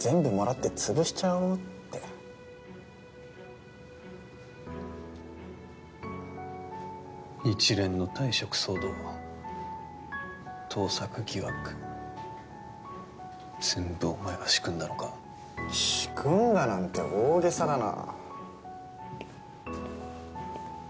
ちゃおうって一連の退職騒動盗作疑惑全部お前が仕組んだのか仕組んだなんて大げさだな